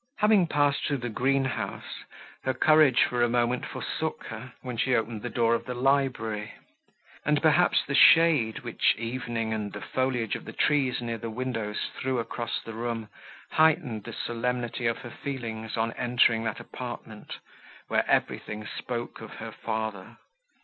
Having passed through the green house, her courage for a moment forsook her, when she opened the door of the library; and, perhaps, the shade, which evening and the foliage of the trees near the windows threw across the room, heightened the solemnity of her feelings on entering that apartment, where everything spoke of her father.